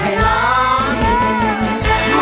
จริง